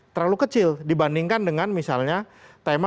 terlalu kecil dibandingkan dengan misalnya tema